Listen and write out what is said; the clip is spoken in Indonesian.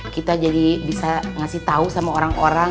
kita jadi bisa ngasih tahu sama orang orang